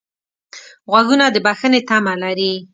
غوږونه د بښنې تمه لري